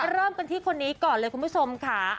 เริ่มกันที่คนนี้ก่อนเลยคุณผู้ชมค่ะ